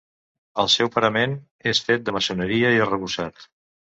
El seu parament és fet de maçoneria i arrebossat.